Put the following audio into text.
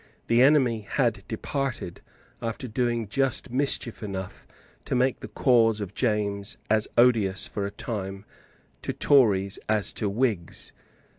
The enemy had departed, after doing just mischief enough to make the cause of James as odious for a time to Tories as to Whigs.